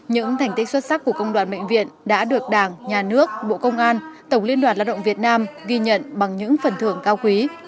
những thành tích xuất sắc của công đoàn bệnh viện đã được đảng nhà nước bộ công an tổng liên đoàn lao động việt nam ghi nhận bằng những phần thưởng cao quý